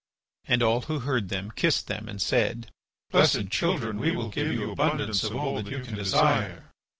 And all who heard them kissed them and said: "Blessed children, we will give you abundance of all that you can desire."